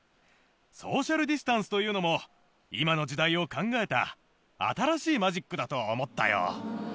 ソーシャルディスタンスというのも今の時代を考えた新しいマジックだと思ったよ。